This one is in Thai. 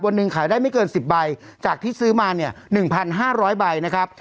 วันนึงขายได้ไม่เกินสิบใบจากที่ซื้อมาเนี้ยหนึ่งพันห้าร้อยใบนะครับ